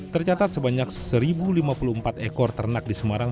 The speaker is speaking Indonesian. tercatat sebanyak satu lima puluh empat ekor ternak di semarang